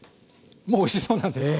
もうおいしそうなんです。